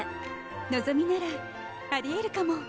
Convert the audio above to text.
のぞみならありえるかも。